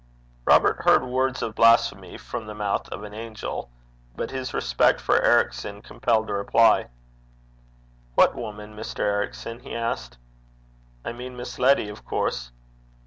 Robert heard words of blasphemy from the mouth of an angel, but his respect for Ericson compelled a reply. 'What woman, Mr. Ericson?' he asked. 'I mean Miss Letty, of course.'